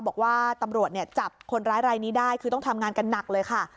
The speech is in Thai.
บอกว่าตำรวจเนี่ยจับคนร้ายรายนี้ได้คือต้องทำงานกันหนักเลยค่ะ